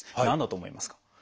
何だと思いますか？